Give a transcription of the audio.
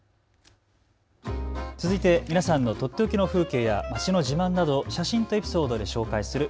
続いて皆さんのとっておきの風景や街の自慢などを写真とエピソードで紹介する＃